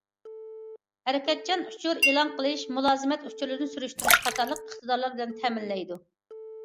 ھەرىكەتچان ئۇچۇر ئېلان قىلىش، مۇلازىمەت ئۇچۇرلىرىنى سۈرۈشتۈرۈش قاتارلىق ئىقتىدارلار بىلەن تەمىنلەيدۇ.